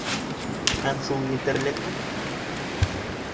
Һәм шул етерлекме?